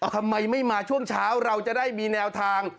ทำไมไม่มาช่วงเช้าเราจะได้มีแนวทาง